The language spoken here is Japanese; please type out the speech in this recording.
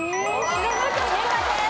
正解です。